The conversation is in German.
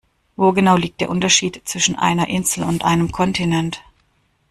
Wo genau liegt der Unterschied zwischen einer Insel und einem Kontinent?